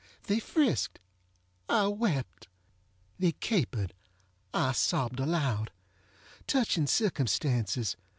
They friskedŌĆöI wept. They caperedŌĆöI sobbed aloud. Touching circumstances!